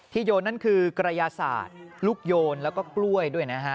ที่โยนนั้นคือกระยะสาตว์ลูกยนต์แล้วก็กล้วยด้วยนะฮะ